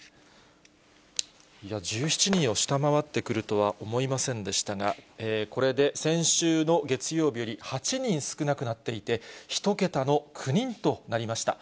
いや、１７人を下回ってくるとは思いませんでしたが、これで先週の月曜日より８人少なくなっていて、１桁の９人となりました。